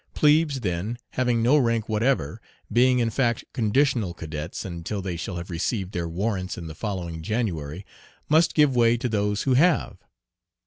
Plebes, then, having no rank whatever, being in fact conditional cadets until they shall have received their warrants in the following January, must give way to those who have.